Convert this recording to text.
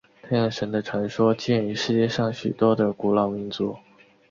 太阳神的传说见于世界上许多的古老民族。